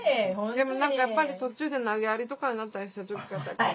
でも何かやっぱり途中で投げやりとかになったりする時があったから。